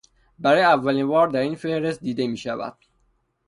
برای اولین بار در این فهرست دیده می شود